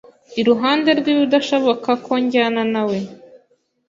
Iruhande rwibidashoboka ko njyana nawe.